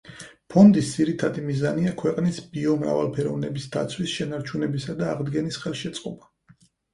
ფონდის ძირითადი მიზანია ქვეყნის ბიომრავალფეროვნების დაცვის, შენარჩუნებისა და აღდგენის ხელშეწყობა.